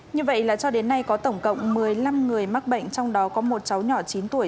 như vậy là cho đến nay có tổng cộng một mươi năm người mắc bệnh trong đó có một cháu nhỏ chín tuổi